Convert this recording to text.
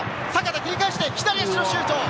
切り返して左足のシュート！